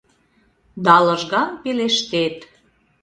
Да лыжган пелештет: